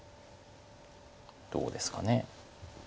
どうですかね。